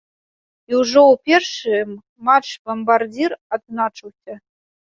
І ўжо ў першым матч бамбардзір адзначыўся.